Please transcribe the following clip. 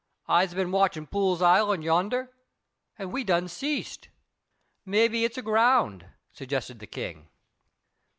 I'se been watchin' Poole's Island yonder, and we done ceased." "Maybe it's aground," suggested the King.